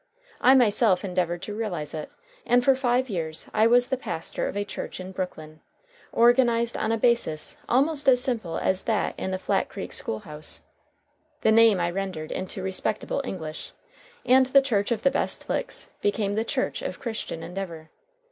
I myself endeavored to realize it, and for five years I was the pastor of a church in Brooklyn, organized on a basis almost as simple as that in the Flat Creek school house. The name I rendered into respectable English, and the Church of the Best Licks became the Church of Christian Endeavor.